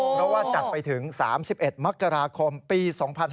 เพราะว่าจัดไปถึง๓๑มคปี๒๕๖๒